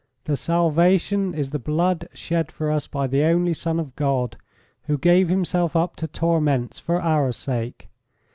The salvation is the blood shed for us by the only son of God, who gave himself up to torments for our sake.